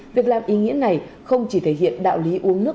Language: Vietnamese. việc làm ý nghĩa này không chỉ thể hiện đạo lý uống nước